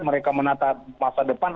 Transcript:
mereka menata masa depan